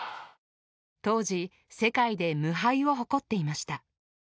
当時、世界で無敗を誇っていました。